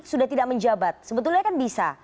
sudah tidak menjabat sebetulnya kan bisa